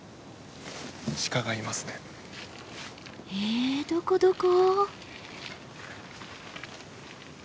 えどこどこ？